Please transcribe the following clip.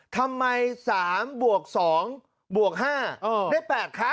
ทำไม๓บวก๒บวก๕ได้๘คะ